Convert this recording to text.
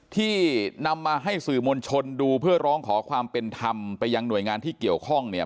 ที่นำมาให้สื่อมวลชนดูเพื่อร้องขอความเป็นธรรมไปยังหน่วยงานที่เกี่ยวข้องเนี่ย